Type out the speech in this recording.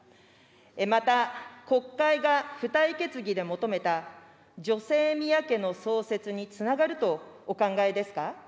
また国会が付帯決議で求めた女性宮家の創設につながるとお考えですか。